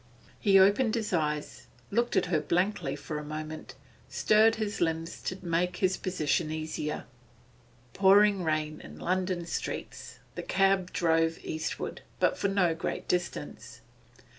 He opened his eyes, looked at her blankly for a moment, stirred his limbs to make his position easier. Pouring rain in London streets. The cab drove eastward, but for no great distance.